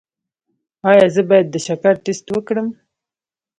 ایا زه باید د شکر ټسټ وکړم؟